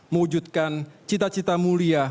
mewujudkan cita cita mulia